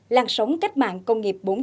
làn sóng cách mạng công nghiệp bốn